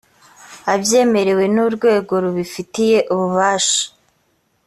abyemerewe n urwego rubifitiye ububasha